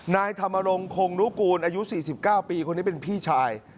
นายธรรมรงค์โครงนุกูลอายุสี่สิบเก้าปีคนนี้เป็นพี่ชาย